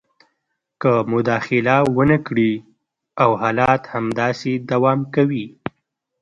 که مداخله ونه کړي او حالات همداسې دوام کوي